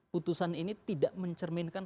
putusan ini tidak mencerminkan